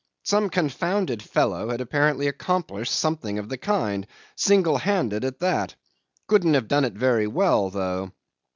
Some confounded fellow had apparently accomplished something of the kind single handed at that. Couldn't have done it very well though.